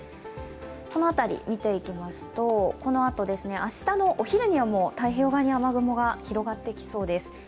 その辺り見ていきますと、このあと、明日のお昼には、太平洋側に雨雲が広がってきそうです。